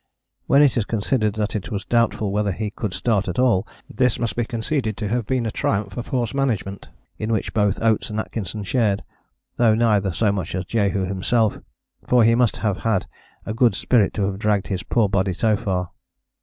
When it is considered that it was doubtful whether he could start at all this must be conceded to have been a triumph of horse management in which both Oates and Atkinson shared, though neither so much as Jehu himself, for he must have had a good spirit to have dragged his poor body so far.